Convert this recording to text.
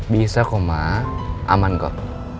bisa kok mak aman kok